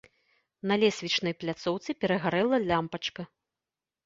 На лесвічнай пляцоўцы перагарэла лямпачка.